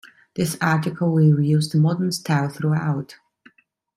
This article will use the modern style throughout.